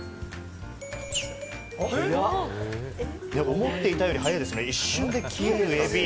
思っていたより早いですよね、一瞬で消えるエビ。